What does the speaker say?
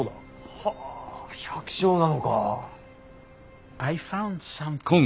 はぁ百姓なのか。